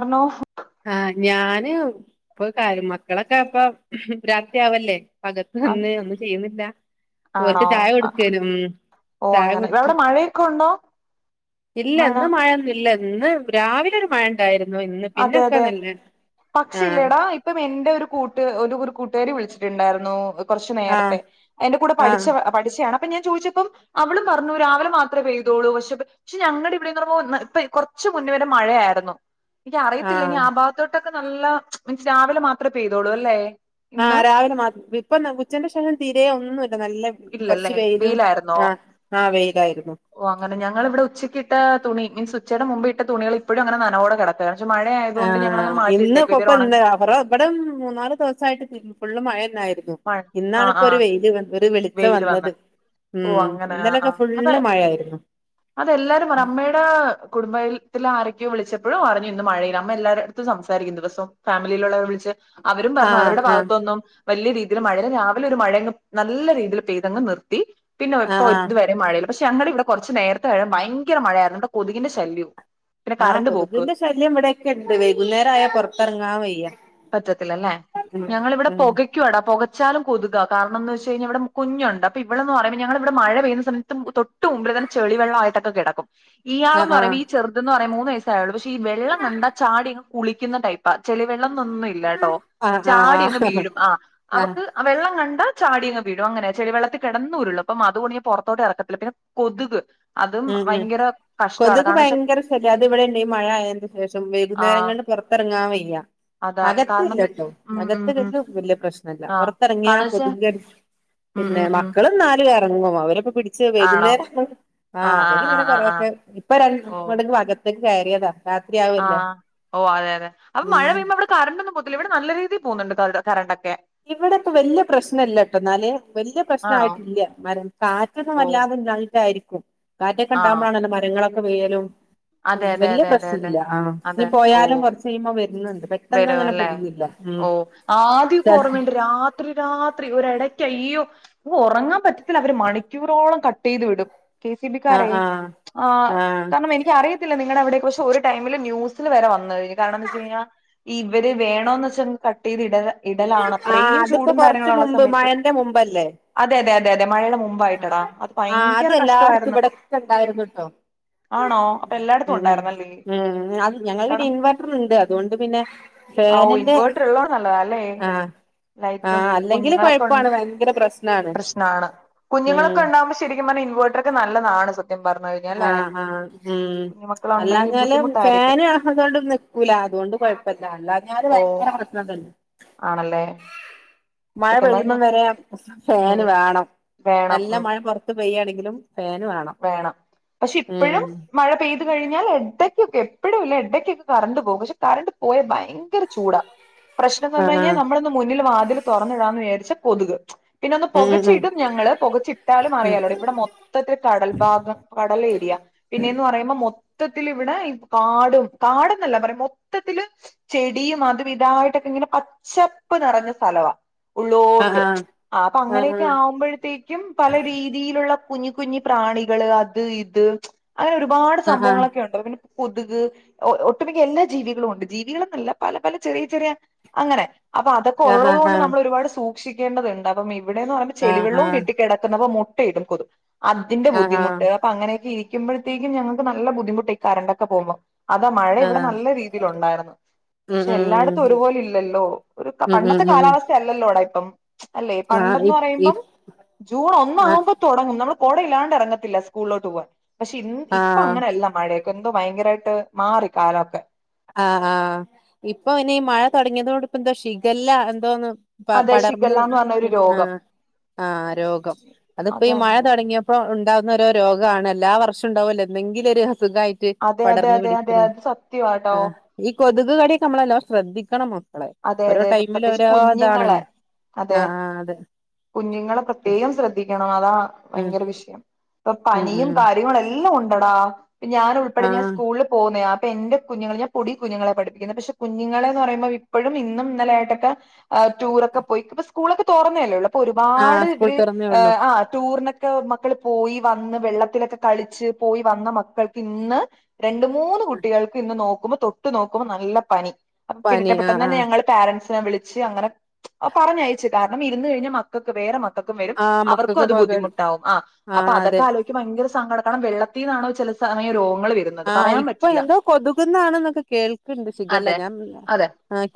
Hello ആഹ് ഞാന് ഇപ്പൊ കരും മക്കളൊക്കെ ഇപ്പം രാത്രിയാവല്ലേ. അകത്ത് വന്ന് ഒന്നും ചെയ്യുന്നില്ല ആണോ ഒല്ക്ക് ചായ കൊടുക്കേലും ഓ ചായ അങ്ങനെ കുടിപ്പി അവിടെ മഴയൊക്കെ ഉണ്ടോ ഇല്ല മഴ ഇന്ന് മഴൊന്നുംല്ല ഇന്ന് രാവിലെ ഒരു മഴ ഉണ്ടായിരുന്നു ഇന്ന്. അതെ പിന്നൊക്കെ അതെ നല്ല ആഹ് പക്ഷില്ലേടാ ഇപ്പം എന്റെ ഒരു കൂട്ട് ഒരു ഒരു കൂട്ടുകാരി വിളിച്ചിട്ടുണ്ടായിരുന്നു. കൊറച്ച് ആഹ് നേരത്തെ എന്റെ കൂടെ പഠിച്ച ആഹ് പഠിച്ചയാണ് അപ്പൊ ഞാൻ ചോയിച്ചപ്പം അവൾ പറഞ്ഞു രാവിലെ മാത്രമേ പെയ് തോളൂ പക്ഷെ പക്ഷെ ഞങ്ങടെ ഇവിടെന്ന് പറഞ്ഞപ്പോ ഇപ്പെ കുറച്ച് മുന്നെ വരെ മഴയായിരുന്നു. എനിക്ക് അറിയത്തില്ല ഇനി ആഹ് ആ ഭാഗത്തോട്ടൊക്കെ നല്ല മീൻസ് രാവിലെ മാത്രമേ പെയ്തോളൂ ല്ലെ. ആഹ് രാവിലെ മാത്രം ഇപ്പൊ ന്ന ഉച്ചന്റെ ശേഷം തിരെ ഒന്നുല്ല നല്ല കൊറച്ച് ഇല്ലല്ലേ വെയിലും വെയിലായിരുന്നോ ആ ആ വെയിലായിരുന്നു. ഓ അങ്ങനെ ഞങ്ങള് ഇവിടെ ഉച്ചക്കിട്ട തുണി മീൻസ് ഉച്ചയുടെ മുമ്പ് ഇട്ട തുണിയെള് ഇപ്പോഴും അങ്ങന നനവോ ടെ കെട പക്ഷേ മഴയാതോണ്ട് ഞങ്ങള് അങ്ങനെ മാറ്റിട്ടേക്ക ഇതുവരെ ഉണങ്ങി ഇവിട മും മൂന്നാല് ദിവസയിട്ട് ഫുള്ള് മഴന്നായിരുന്നു മഴ ഇന്നാണ് ആഹ് ഇപ്പോ ഒരു ആഹ് വെയില് ഒരു വെളി വെളിച്ചം വെയില് വന്ന് വന്നത് ഉം ഓ അങ്ങനെ ആഹ് ഇന്നലൊക്കെ ആഹ് അത് ഫുള്ള് മഴായിരുന്നു. അതെല്ലാരും പറ അമ്മയിടെ കുടുംബത്തില ആരൊക്കെയോ വിളിച്ചപ്പോഴും അറിഞ്ഞു ഇന്ന് മഴയില് അമ്മ എല്ലാരു എന്നും സംസാരിക്ണ്ട് ദിവസം ഫാമിലിയിലുള്ളവരെ വിളിച്ച്. അവരും പറഞ്ഞു ആഹ് അവരുടെ ആഹ് ഭാഗത്തൊന്നും വല്ലിയ രീതിയിൽ മഴ രാവിലെ ഒരു മഴ നല്ല രീതിയിൽ പെയ്തങ്ങ് നിർത്തി പിന്നെ ഇപ്പോ ആഹ് ആഹ് ഇത് വരെ മഴയില്ല പക്ഷെ ഞങ്ങളിവിടെ കൊറച്ച് നേരത്തെ ഭയങ്കര മഴയായിരുന്നു ഇവിടെ കൊതുകിന്റെ ശല്യവും പിന്നെ ആഹ് കറണ്ട് പോക്ക് കൊതുകിന്റെ ശല്യം ഇ വിടെയൊക്കെ ഇണ്ട് വൈകുന്നേരം ആയാ പുറത്തറങ്ങാൻ വയ്യ. ഒകത്തില്ലല്ലേ ഉം ഞങ്ങളിവിടെ ഉം പോകയ്ക്കുടാ പോകച്ചാലും കൊതുകാ കാരണം ന്ന്‌വെച്ച് കഴിഞ്ഞ ഇവിടെ കുഞ്ഞുണ്ട് അപ്പ ഇവള്ന്ന്റയുമ്പോ ഞങ്ങളെ ഇവിടെ മഴ പെയ്യുന്നമയത്ത് തൊട്ട് മുമ്പിൽ തന്നെ ചെളിവെള്ള ആയിട്ടക്കെ കേടക്കും. ഇയാള് എന്ന് ആഹ് പറയൂമ്പോ ഈ ചെറു ഇതന്ന് പറയാ മൂന്ന് വയസായേ ഒള്ളൂ പക്ഷെഈ വെള്ളം കണ്ടാ ചാടിങ്ങ് കുളിക്കുന്നട്ടയ്പ്പാ ചെളി വെള്ളം എന്ന് ഒന്നും ഇല്ല ഇല്ലട്ടോ ആഹ് ആഹ് ആഹ് ചാടിങ്ങ് ആഹ് വിഴും ആ ആഹ് അവക്ക് വെള്ളം കണ്ട ചാടിങ്ങ് വീഴും അങ്ങനെ ചെളി വെള്ളത്തി കെടന്നൂരുള്ളൂ അപ്പൊ അത് കൊണ്ട് ഞാൻ പോറത്തോട്ട് എറക്കത്തില്ല പിന്നെ കൊതുക്. അതും ഉം ഉം ഭയങ്കര കഷ്ടമാണ് കൊതുക് കാരണം വെച്ചാ ഭയങ്കര ശല്യ അത് ഇവിടെണ്ട് ഈ മഴ ആയതിന്റെ ശേഷം ആ വൈകുന്നേരങ്ങളും. പുറത്തറങ്ങാൻ വയ്യ. അതാ അകത്ത് കാരണംന്ന് ഇല്ലട്ടോ ഉം അകത്ത് ഉം ഉം ഇടലും വല്യയ പ്രശ്നല്ല ആ പൊറത്തിറങ്ങിയാ കാരണം വെച്ചാ കൊതുക് കടി ഉം പിന്നെ ഉം ഉം മക്കളും ഇന്നാലു എറങ്ങും അവരെ ഒക്കെ പിടിച്ച് ആണോ വൈകുന്നേരം. ആഹ് അവരിങ്ങനെ ആഹ് ആഹ് ആഹ് കൊറേക്കെ ഇപ്പൊ രണ്ട് ഓഹ് പേരും അകത്തേക്ക്‌ കയറിയതാ രാത്രിയാവല്ലേ ആഹ് ഓ അതെ അതെ അപ്പൊ മഴ ഉം പെയ്യുമ്പോ അവിടെ കറണ്ടോന്നും പോവത്തില്ലേ ഇവിടെ നല്ല രീതിയിൽ പോകുന്നുണ്ട് കരണ്ട് കരണ്ടൊക്കെ. ഇവിടെ ഇപ്പൊ വല്യയ പ്രശ്നംല്ലട്ടോ ഇന്നാല് വല്യയ പ്രശ്ന ആണോ ആട്ടില്ല മര കാ കാറ്റൊന്നും ഓഹ് വല്ലാതെ ഇല്ലാഞ്ഞിട്ട് ആഴിയിരിക്കും ആണോ കാറ്റൊക്കെണ്ടാവുമ്പോണല്ല മരങ്ങളൊക്കെ വിയ്യലും. ഉം അതെ അതെ വല്യ അതെ അതെ പ്രശ്ന അതെ ഇല്ല ആ ഇനി അതെ പോയാലും ഓഹ് കൊറച്ചയിമ്പോ വെര്ണ്ണ്ട് പെ പെട്ടന്ന അങ്ങനെ പോകുന്നില്ല ഉം ആദ്യക്കെ ഓർമയുണ്ട് രാ ആഹ് രാത്രി രാത്രി ഒര എടയ്ക്ക് അയ്യോ വോ ഒറങ്ങാൻ പറ്റത്തില്ല അവര് മണിക്കൂറോളം കട്ട്യ്ത് വിടും. കെ സി ബി കരെ ആഹ് ആഹ് കാരണം എനിക്ക് അറിയാ ത്തില്ല നിങ്ങളെയവിടെ ഇപ്പം പക്ഷേ ഒരു ടെയ്മില് ന്യൂസിൽ വരെ വന്നഹ് കാരണംന്തന്ന് വെച്ച് കഴിഞ്ഞ ഇവര് വേണോന്ന് വെച്ച് കട്ട്യ്തി ഇടല്ല ഇടലാണോ ആഹ് അത്രയും അതിപ്പോ ചൂടും കൊറച്ച് കാര്യങ്ങളുള്ള മുമ്പ് സമയത്ത്. മഴന്റെ മുമ്പല്ലേ അതെ അതെ അതെ അതെ മഴയുടെ ആഹ് മുമ്പായിട്ടെടാ അത് ആഹ് അത് ഭയങ്കര എല്ലായിടത്തും കഷ്ടവയിരുന്നു. ഇവിടൊക്കെ ഉണ്ടായിരുന്നുട്ടോ ആണോ അപ്പ എല്ലായിടത്തും ഉം ഉം ഉണ്ടായിരുന്നല്ലെ കണം ണ്ട് അതോണ്ട് പിന്നെ. അ ഒ ഫാനിന്റെ ഇൻവേർട്ടർ ഉള്ളോള് നല്ലതാല്ലേ. ആഹ് ലൈറ്റും ആഹ് അല്ലെങ്കില് കുഞ്ഞുങ്ങളൊക്കെ കൊഴപ്പാണ് ഉണ്ട ഭയങ്കര പ്രശ്നാണ് പ്രശ്ണാണ് ഉം കുഞ്ഞുങ്ങളൊക്കെ ഉണ്ടാവു ക്ഷേ ശരിക്കും പറഞ്ഞ ഇൻവെട്ടെർ ക് നല്ലതാണ് [unintelligible] പറഞ്ഞ [unintelligible] ആഹ ആഹ് ഉം അല്ലാഞ്ഞാല് ബുദ്ധിമുട്ടായിരിക്കും ഫേന്. അതൊണ്ട് നിക്കൂല അതൊണ്ട് കൊഴപ്പില്ല അല്ല ഞാല് ഓ ഭയങ്കര പ്രശ്ന തന്നെ. ആണല്ലേ മഴ സത്യം പെയ്യുമ്പം പറഞ്ഞാ വരെ ഉം ഫാന് വേണം. വേണം നല്ല ഉം മഴ പെറ ത്ത്‌ പെയ്യാണെങ്കിലും ഫേന് വാണം വാണം പക്ഷേ ഇപ്പഴും മഴ പെയ് കഴിഞ്ഞാൽ എടക്കക്കെ എപ്പോഴും ഇല്ല എടയ്ക്കൊക്കെ കറണ്ട് പോകും. പക്ഷേ കറണ്ട് പോയാ ഭയങ്കര ചൂടാ. പ്രശ്നം എന്ന് ആഹ് പറഞ്ഞഴിഞ്ഞാൽ ആഹ് നമ്മളിന്ന് മുന്നിൽ വാതിൽ തുറന്നിടാന്ന് വിചാരിച്ച കൊതുക്. പിന്നെ ഒന്ന് പൊകച്ചിടും ഞങ്ങള് പൊകച്ചിട്ടാലും അറിയാലോ ഇവിടെ മൊത്തത്തി കടൽ ഭാഗം കടൽ ഏരിയ പിന്നെയന്ന് പറയുമ്പോ മൊത്തത്തില് ഇവിടെ ഈ കാടും കാട്ന്നല്ല പറയു മൊത്തത്തില് ചെടിയും അതും ഇതായിട്ടൊക്കെ ഇങ്ങനെ പച്ചപ്പ് നിറഞ്ഞ സ്ഥലവാ ഉം ഉം ഉം ഉള്ളോട്ട്. ആ അപ്പൊ അങ്ങനെയൊക്കെ ഉം ആവുമ്പോഴത്തേക്കും പല രീതിയിലുള്ള കുഞ്ഞ കുഞ്ഞി പ്രാണികള് അത് ഇത് അങ്ങനെ ഒരുപാട് ആഹ് സംഭവങ്ങളൊക്കെ ഉണ്ട്. പി കൊതുക് ഒട്ടുമിക്ക എല്ലാ ജീവികളുംണ്ട്. ജീവികളന്നല്ല പല പല ചെറിയ ചെറിയ അങ്ങനെ അപ്പൊ അതൊക്കെ ആഹ് ആഹ് ഉള്ളത് ആഹ് കൊണ്ട് നമ്മൾ ഒരുപാട് സൂക്ഷിക്കേണ്ടതുണ്ട് അപ്പം ഇവിടെയന്ന് പറയുമ്പോ ആഹ് ആഹ് ചെളിവെള്ളവും കെട്ടിക്കട മുട്ട ഇടും കൊതും അതിന്റെ ആഹ് ആഹ് ആഹ് ആഹ് ബുദ്ധിമുട്ട് ആഹ് അപ്പ അങ്ങനെയൊക്കെ ഇരിക്കുംമ്പഴത്തേക്കുംഞൾക്ക് നല്ല ബുദ്ധിമുട്ട കരണ്ടൊക്കെ പോകുമ്പം. അതാ മഴ ഇവിടെ ആഹ് നല്ല രീതിൽ ഉണ്ടായിരുന്നു. ഉം പക്ഷേ എല്ലായിടത്തും ഉം ഒരുപോലെ ഇല്ലല്ലോ ഒരു ഉം ഉം പണ്ടത്തെ ഉം കാലാവസ്ഥ അല്ലല്ലോടാ ഇപ്പം. അല്ലേ ആഹ് പണ്ടന്ന് ഇ ഇ പറയുമ്പം ജൂൺ ആ ഒന്നാകുമ്പതൊടങ്ങും നമ്മൾ കോട ഇല്ലാണ്ട് ഇറങ്ങത്തില്ല സ്കൂളിലോട്ട് പോവാൻ പക്ഷേ ഇപ്പൊ ആഹ് അങ്ങനെയല്ല മഴയ എന്തോ ഭയങ്കരായിട്ട് മാറി കാലമൊക്കെ ആഹ് ആഹ ഇപ്പൊ ഇനി ഈ മഴ തൊടങ്ങിയതോണ്ട് ഇപ്പ എന്തോ ഷിഖല്ല എന്തോന്ന് അതെ പടർന്ന് ശിഖല്ലാന്ന് പറഞ്ഞ ഒരു ആ രോഗം ആ് രോഗം അതിപ്പോ ഈ മഴ അതന്നെ തൊടങ്ങിയ ഇപ്പ ഉണ്ടാവുന്നൊരോ രോഗാണ് എല്ലാ വർഷവും ഉണ്ടാവല്ലോ എന്തെങ്കിലും ഒരു അസുഖായിട്ട് പടർന്നു പിടിക്ക്ണ. സത്യവാ ആ ഈ കൊതുക് കടിക്കെ നമ്മളെ നല്ലോം ശ്രദ്ധിക്കണ അളെ അതെ ഓരോ അതെ അതെ ടൈമിൽ പ്രത്യേകിച്ച് ഓരോ കുഞ്ഞുങ്ങളെ താണെല്ലോ അതെ ആ അതെ. കുഞ്ഞുങ്ങളെ പ്രത്യേകം ശ്രദ്ധിക്കണം അതാ. ഉം ഭയങ്കര വിഷയം. ഇപ്പൊ ഉം പനിയും ഉം കാര്യങ്ങളും എല്ലാം ഉണ്ടടാ. ഞാൻ ഉൾപ്പെടെ ഞാൻ ആഹ് സ്കൂളിൽ പോന്നയ അപ്പൊ എന്റെ കുഞ്ഞുങ്ങൾ ഞാൻ പൊടി കുഞ്ഞുങ്ങളെ പഠിപ്പിക്കുന്ന പക്ഷേ കുഞ്ഞുങ്ങളെ ന്ന് പറയുമ്പം വീ ഇപ്പഴും ഇന്നും ഇന്നല ആയിട്ടൊക്കെ ടൂറൊക്കെ പോയി ഇപ്പോ സ്കൂളൊക്കെ തോറന്നല്ലേള്ളോ. പ്പ ഒരുപാട് ആഹ് സ്കൂൾ ഇവര് തുറന്നേ ഹ് ഉള്ളൂ ആ ടൂറിനൊക്കെ. ക്ക മക്കൾ പോയി വന്ന് വെള്ളത്തിലൊക്കെ കളിച്ച് പോയി വന്ന് മക്കൾക്ക് ഇന്ന്. രണ്ട് മൂന്ന് കുട്ടികൾക്ക് ഇന്ന് നോക്കുമ്പോ തൊട്ടു നോക്കുമ്പോ നല്ല പനി പനി പിന്നത്രേം പെട്ടെന്ന്. ആഹ് ആഹ് ഞ ങ്ങള് പാരൻസിനെ വിളിച്ച് അങ്ങനെ പറഞ്ഞയച്ചു. കാരണം ഇരുന്ന് കഴിഞ്ഞ മക്കക്ക് വേറെ മക്കക്. ക്കക്കും വരും ആഹ് അവർക്കും മക്കൾക്ക് അത് പക ബുദ്ധിമുട്ടാവും. ആ അപ്പൊ ആഹ് അതെ അതൊക്കെ ആലോ ക് ഭയങ്കര സങ്കടം കാരണം വെള്ളത്തിന്നാണോ ചെല സമയം രോഗങ്ങൾ വരുന്നത്. ആഹ് പറയാൻ ഇപ്പൊ പറ്റില്ല എന്തോ കൊതുകുന്നാണന്നൊക്കെ കേൾക്കണ്ട് ശിഖല്ല ഞാൻ പിന്ന.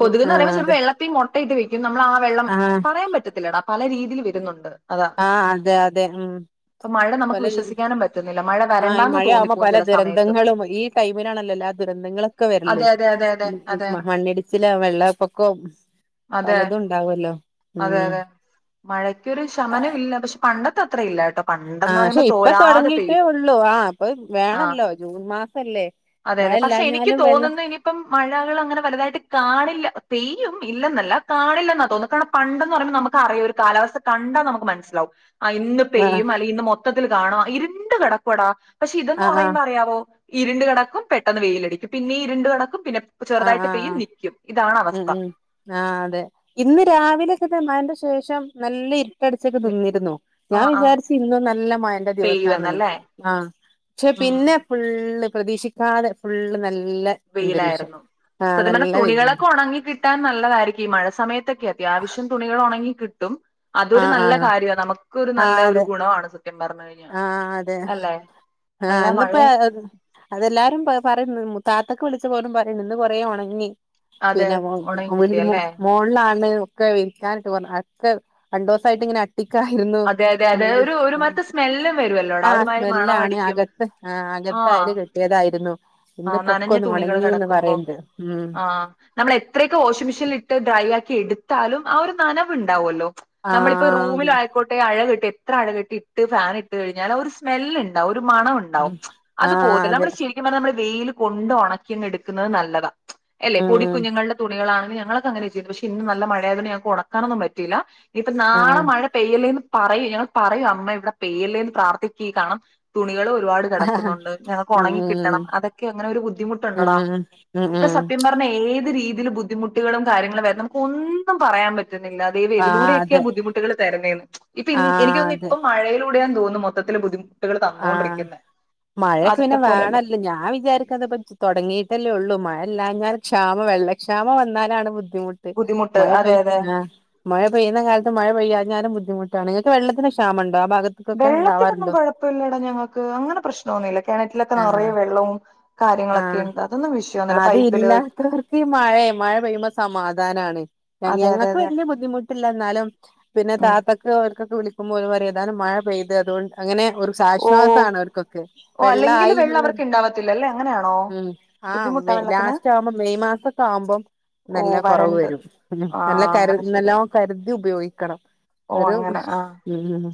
കൊതുക്ന്ന് പറയുമ്പോ ചെലപ്പം വെള്ളത്തിയും മുട്ടയിട്ട് വെക്കും നമ്മൾ ആ വെള്ളം ആഹ് പറയാൻ പറ്റത്തില്ലടാ പല രീതിയിൽ വരുന്നുണ്ട്. അതാ ആഹ് അതെ, അതെ ഉം പല രീതി. നും പറ്റുന്നില്ല മഴകാ ആഹ് ഈ മഴ ആവുമ്പോ പല ദുരന്തങ്ങളും ഈ ടൈമിനാണലല്ലോ എല്ലാ ദുരന്തങ്ങളും. ക്ക വരല് അതെ അതെ അതെ അതെ അതെ മണ്ണിടിച്ചില വെള്ളപ്പൊക്കം. അതെ പലതും ഉണ്ടാവല്ലോ അതെ ഉം. അതെ മഴയ്ക്കൊരു ശമനം ഇല്ല. പക്ഷെ പണ്ടത്തെ അത്ര ഇല്ല കേട്ടോ. ആ പണ്ടെന്ന് പക്ഷെ പറയുമ്പോ ഇപ്പ തോരാതെ തൊടങ്ങിയിട്ടേ പെയ്യും ഉള്ളൂ ആ ഇപ്പൊ ആ വേണല്ലോ ജൂൺ മാസല്ലേ. അതെ, മഴ അതെ പക്ഷെ എനിക്ക് ഇല്ലാഞ്ഞാലും വെള്ളം തോന്ന്ന്നെ ഇനിയിപ്പം മഴകള് അങ്ങനെ വല്തായിട്ട്. കാണില്ല പെയ്യും ഇല്ലെന്നല്ല കാണില്ലെന്നാ തോന്ന്ന്നെ കാരണം പണ്ടന്ന് പറയുമ്പ നമുക്ക് അറിയാം ഒരു കാലാവസ്ഥ. കണ്ടാ നമക്ക് മനസ്സിലാവും. ആഹ് ഇന്ന് ആഹ് പെയ്യും അല്ലെങ്കി ഇന്ന് മൊത്തത്തില് കാണാ ഇര്ണ്ട് കെടക്ക്വാടാ പക്ഷെ ഇതന്ന് ആഹ് പറയുമ്പോ അറിയാവോ. ഇര്ണ്ട് കെടക്കും പെട്ടെന്ന് വെയിലടിക്കും. പിന്നെ ഇര്ണ്ട് കെടക്കും പിന്നെ ആഹ് ആഹ് ചെറുതായിട്ട് പെയ്യും, ആഹ് നിക്കും ഇതാണ ഉം, ഉം ആഹ് അതെ ഇന്ന് രാവിലെ ഒക്കെ മഴെന്റെ ശേഷം നല്ല ഇര് ട്ടടിച്ചക്ക നിന്നിര്ന്നു ആ ഞാൻ ആ വിചാരിച്ചു ഇന്നും നല്ല മഴെന്റെ ദിവസാണ്ന്ന്. പെയ്യുമെന്നല്ലേ ആഹ് പക്ഷെ ഉം പിന്നെ ഫുള്ള് പ്രതീഷിക്കാതെ ഫുള്ള് നല്ല അന്തരീക്ഷം വെയിലാര്ന്നു ആഹ് സത്യംപറഞ്ഞാ നല്ല വെയിലായി തുണികളൊക്കെ ഒണങ്ങികി കിട്ടാൻ നല്ലതായിരിക്കും. ഈ മഴ സമയത്തൊക്കെ അത്യാവശ്യം തുണികള് ഒണങ്ങി കിട്ടും. അതൊരു ആഹ് നല്ല ആഹ് കാര്യവാ നമുക്കൊരു നല്ല ആഹ് ഒരു അതെ ഗുണംവാണ് സത്യം പറഞ്ഞു കഴിഞ്ഞാ ആഹ് അതെ അല്ലെ. ആഹ് നല്ല മഴ ഇന്ന്പ്പ അതെല്ലാരും പറ പറയുന്നു മ് താത്തൊക്ക് വിളിച്ചപ്പം ഓളും പറയുന്നു ഇന്ന് കൊറേ ഒണങ്ങി. അതെ പിന്നെ മോ ഉണങ്ങി കിട്ടി മോളിലി, അല്ലേ മോളിലാണ്. ഒക്കെ വിരിക്കാനിട്ട് പൊന്ന് ക്കെ രണ്ടുസായിട്ട് ഇങ്ങനെ അട്ടിക്കായിര്ന്നു അതെ അതെ ഫുൾ അതെ ഒരു ആ. ഒരുമാതിരത്തെ സ്മെല്ലും വര് വല്ലോ. ആഹ് സ്മെല്ലാണ് അകത്ത് ആഹ് ആ അകത്തയര് കെട്ടിയതായിര്ന്നു. ആ നനഞ്ഞ ഇന്നിപ്പൊക്കൊഒന്ന് ഒണങ്ങിന്ന് പറയ്ണ്ട് ഉം. നമ്മളെത്രയൊക്കെ വാഷിംങ്ങ്മെഷീനില് ഇട്ട് ഡ്രൈയാക്കി എട്ത്താലും ആ ഒരു നനവ്ണ്ടാവ് ല്ലോ? നമ്മളിപ്പൊ ആഹ് റൂമിലായിക്കോ അഴകെട്ടി എത്ര അഴകെട്ടി ഇട്ട് ഫാൻ ഇട്ട് കഴിഞ്ഞാല് ആ ഒരു സ്മെല്ല്ണ്ടാവും ഒരു മണം ഒ ണ്ടാവും അത് ആഹ് പോവത്തില്ല അതെ നമ്മള് ശെ ത്യം പറഞ്ഞാ മ്മള് വെയില്കൊണ്ട് ഒണക്കിയങ്ങ് എട്ക്ക്ന്നത് നല്ലതാ യല്ലെ ഉം പൊടിക്കുഞ്ഞുങ്ങള്ടെ. തുണികളാണെങ്കി ഞങ്ങളൊക്കെഅങ്ങനാ ചെയ്യ്ന്നെ പക്ഷെ ഇന്ന് നല്ല മഴയായത്കൊണ്ട് ഞങ്ങക്ക് ഒണക്കാനൊന്നും പറ്റയില്ല ഇപ്പ നാളെ ആഹ് മഴ. പെയ്യല്ലേന്ന് പറയും ഞങ്ങള് പറയും അമ്മ ഇവ്ടെ പെയ്യല്ലേന്ന് പ്രാർത്ഥിക്കുക കാരണാം തുണികള് ഒര്പാട് കെടക്ക്ന്നൊണ്ട് ഞങ്ങക്ക് ഒണങ്ങി കിട്ടണം. ഉം അത ക്ക് അങ്ങനെ ഒരു ഉം ബുദ്ധിമുട്ടൊണ്ടടാ ഉം ഇപ്പൊ ഉം സത്യം പറഞ്ഞ ഏത് രീതില് ബു ബുദ്ധിമുട്ടുകളും കാര്യങ്ങളും വര്ന്നെ നമുക്ക് ഒന്നും പറയാൻ പറ്റ്ന്നില്ല. ദൈവം ആഹ് എതിലൂടെയൊക്കെയാ അതെ ബുദ്ധിമുട്ട്കള് തെരുന്നെന്ന് ഇപ്പൊഇ എനിക്ക് ആഹ് തോന്നുന്നു അതെ ഇപ്പം മഴയിലൂടെയാന്ന് തോന്നുമൊ ത്തത്തില് ബുദ്ധിമു ആഹ് മഴയൊക്കെ പിന്നെ ആദ്യത്തെ പോലെയല്ല വേണല്ലോ ഞാൻ വിചാരിക്കണത്പ്പ. തൊടങ്ങിയിട്ടല്ലേ ഒള്ളൂ മഴല്ലാഞ്ഞാൽ ക്ഷാമം വെള്ളക്ഷാമം വന്നാലാണ് ബുദ്ധിമു പെയ് ബുദ്ധിമുട്ട് മഴ അതെ പെയ് അതെ ആഹ് മഴ പെയ്യ്ന്നകാലത്ത് മഴ പെയ്യാഞ്ഞാലും ബുദ്ധിമുട്ടാണ് ഇങ്ങക്ക് വെള്ളത്തിന് ക്ഷാമണ്ടോ ആ ഭാഗ വെള്ളത്തിനൊന്നും കൊഴപ്പയില്ലടാ ഞങ്ങക്ക് അങ്ങനെ പ്രശ്നൊന്നുവില്ല കെണറ്റിലൊക്കെ ആഹ് നെറയെ വെള്ളവും ങ്ങളൊക്കെയൊണ്ട് അതൊന്നും വിഷയമൊന്നുമില്ല പൈപ്പില് അതില്ലാത്തവർക്കി മഴെ മഴ പെയ്യ്മ്പ സമാധാനാണ് തങ്ങേ അതെ അതെ ഞങ്ങക്ക് അതെ വല്ല്യ ബുദ്ധിമുട്ടില്ല ന്നാലും പിന്നെ ഉം. താത്ത ദ് ഓർക്കൊക്കെ വിളിക്ക്മ്പഓലുപറയും ഏതാനും മഴ പെയ്ത് അതൊണ്ട് അങ്ങനെ ഒരു ഓ ച്ച്ശ്വാസവാണ് അവർക്കൊക്കെ ഓ അല്ലെങ്കിൽ വെള്ളായി വെള്ളം എന്ന്ള്ള അവർക്ക് ഉണ്ടാവത്തില്ല അല്ലേ അങ്ങനെയാണോ ഉം ആഹ് ബുദ്ധിമുട്ടാ വെ വെള്ളത്തിന് ലാസ്റ്റ് ആവ്മ്പം മെയ് മാസൊക്കെ ആവ്മ്പം ഓ നല്ലോം കൊറവ് വരണ്ട് വെരും ഉം ആ നല്ലോം കര് അങ്ങനെ ശരിയാ നല്ലോം കര്തി ഉപയോഗിക്കണം ഒരു ഉം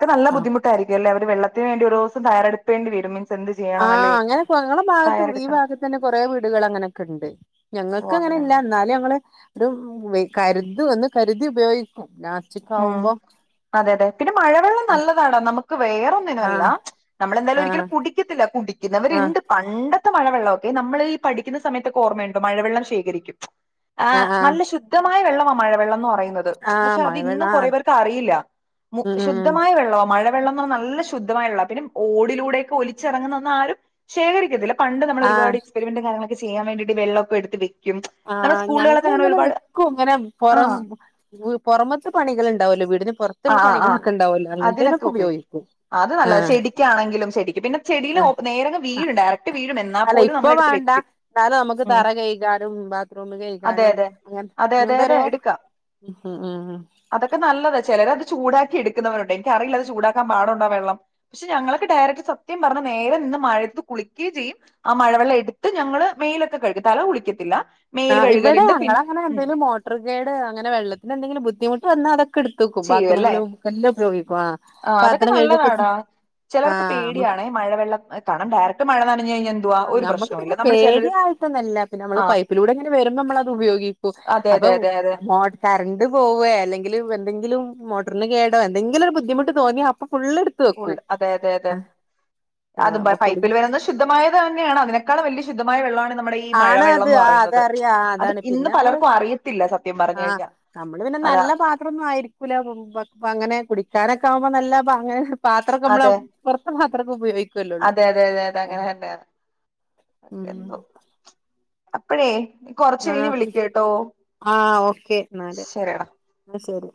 ക്ക് നല്ല ആ ബുദ്ധിമുട്ടായിരിക്കല്ലേ അവര് വെള്ളത്തിന് വേണ്ടി ഒരോസം തയാറെടുക്കെണ്ടി വരും മീൻസ് എന്ത് ചെയ്യണം ആഹ് അല്ലേ അങ്ങനെ കൊ ങ്ങളെ ഭാഗത്തും ഈ തയ്യാറെടുക്കണം ഭാഗത്ത് തന്നെ കൊറേ വീടുകള് അങ്ങനെക്കെണ്ട് ഓ ഞങ്ങക്ക് അങ്ങനെല്ല അങ്ങനെയാണോ എന്നാലും ഞങ്ങള് ഒരു വെ കര്തും ഒന്ന് കര്തി ഉപയോഗിക്കും ലാസ് ഉം അതെ അതെ പിന്നെ മഴവെള്ളം നല്ല ണ്ന്നൊ നമുക്ക് വേറെന്നിനും അല്ല ആഹ് നമ്മളെന്തായാലും ഒരിക്കലും ആഹ് കുടിക്കത്തില്ല ആഹ് കുടിക്കുന്നവര്ണ്ട് പണ്ട് ട്ടുന്ന മഴവെള്ളവൊക്കെ നമ്മളീ പഠിക്ക്ന്ന സമയത്തൊക്കെഓർമ്മയൊണ്ടോ മഴവെള്ളം ശേഖരിക്കും ആഹ് നല്ല ശുദ്ധ ശുദ്ധമായവെള്ളവാ മഴവെള്ളംന്ന് പറയ്ന്നത് ആഹ് പക്ഷെ അത് മഴവെള്ളം ഇന്നും ആഹ് കുറേപേർക്ക് അറിയില്ല മു ഉം ഉം ശുദ്ധമായ നല്ലവെള്ളവാ മഴ വെള്ളന്ന്റിഞ്ഞ നല്ല ശുദ്ധമായുള്ള പിന്നെ ഓടിലൂടെക്കെ ഒലിച്ചിറങ്ങുന്നാ ആരും ശേഖരിക്കത്തില്ല പണ്ട് നമ്മള് ഒരുപാട് ആഹ് എക്സ്പിരിമെന്റ് കാര്യങ്ങളൊക്കെ ചെയ്യാൻ വേണ്ടീട്ട് വെള്ളെക്കെടുതില്ലെ ആഹ് ഞങ്ങള് ഇങ്ങനെ ളിക്കും ഇങ്ങനെ പൊറം ആഹ് വ് പൊറമത്തെ പണികള് ഇണ്ടാവല്ലോ വീടിന് പെറത്തുള്ള ആഹ് ആഹ് ആഹ് പണികളൊക്കെ ഇണ്ടാവല്ലോ അങ്ങൻത്തേനൊക്കെ ഉപയോഗിക്കും അത് നല്ലതാ ആഹ് ചെടിക്കാണങ്കിലും ചെടിക്ക് പിന്നെ ചെടിയിൽ ആഹ് ഓപ് നേരെ വീഴും ഡയറക് അല്ല ഇപ്പൊ വാണ്ട എന്നാലും നമുക്ക് ഉം തറ കയ്ഗാനും ബാത്ത്റൂം അതെ കയ്ഗാനും അതെ ഇങ്ങൻ അതെ അതെ അതെ ഇങ്ങൻത്തേരോ എടുക്കാം ഉം ഉം ഉം അതൊക്കെ നല്ലത ചെലര് അത് ചൂടാക്കി എടുക്കുന്നവരുണ്ട് എനിക്കറിയില്ല അത് ചൂടാക്കാൻ പാടുണ്ടോ വെള്ളം പക്ഷെ ഞങ്ങളെക്കെ ഡയറക്ട് സത്യം പറഞ്ഞ നേരെ നിന്ന് മഴത്ത് കുളിക്കെ ചെയ്യും ആ മഴവെള്ളം എടുത്ത് ഞങ്ങള് മെലൊക്കെ കയ്കും തല കുളിക്കത്തില്ല മേല് ആഹ് ഇവിടെ കഴുകലുണ്ട് പിൻ ഞങ്ങളങ്ങനെ ഉം എന്തേലും മേട്ടർ കേട് അങ്ങനെ വെള്ളത്തിന് എന്തങ്കിലും ബുദ്ധിമുട്ട് വന്നാ അത ക്കെട്ത്തക്കും ചെയ്യുവല്ലേ ബാത്റൂമിലും ക്കെല്ലാം ഉപയോഗിക്കും ആഹ് പാത്രം കഴ്കെക്കെ ചെ ചെലർക്ക് പേടിയാണ് മഴ വെള്ളം കണാം ഡയറക്ട് മഴ നനഞ്ഞഴിഞ്ഞ ആഹ് നമ്മക്ക് പിന്നെ പേടിയായിട്ടൊന്നല്ല പിന്നെ നമ്മള് ആ പൈപ്പിലൂടെങ്ങനെ വരുമ്പോ നമ്മളത് ഉപയോഗിക്കും അതെ അപ്പൊ അതെ അതെ അതെ മോ കറണ്ട് പോവേ അല്ലങ്കിലും എന്തെങ്കിലും മോട്ടറിന് കേടോ എന്തെങ്കിലും ഒരു ബുദ്ധിമുട്ട് തോന്നിയാ അപ്പൊ ഫുള്ള്ട് ഫുൾ അതെ അതെ അതെ അത് ആഹ് അപ്പൊ കുടി പൈപ്പില് വരുന്ന ശുദ്ധമായത് തന്നെയാണ് അതിനെക്കാളും വല്ല്യ ശുദ്ധമായ വെള്ളാണ് നമ്മടെ ഈ ഈ ആണ് അത് മഴവെള്ളംന്ന് ആഹ് പറയുന്നത് അതറിയാം ആഹ് അത് അതാണ് ഇന്ന് പിന്നെ നമ്മള് പലർക്കും അറിയത്തില്ല സത്യം പറഞ്ഞു കഴിഞ്ഞാ അതാ ത്രൊന്നും ആയിരിക്കൂല പങ്ങനെ കുടിക്കാനൊക്കെ ആകുമ്പോ നല്ല അങ്ങനെ പാത്രക്കെ മ്മള് അതെ പൊർത്ത പാത്രങ്ങള് ഉപയോഗി അതെ അതെ അതെ അതെ അങ്ങനെ തന്നെയാണ് ഉം എന്തോ അപ്പഴേ ഇൻകൊർ ആഹ് ആഹ് ഓക്കെ ന്നാല് ശരിയെടാ ആഹ് ശരി